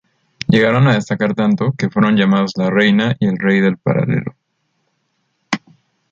Llegaron a destacar tanto que fueron llamados la reina y el rey del Paralelo.